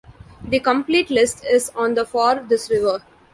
The complete list is on the for this river.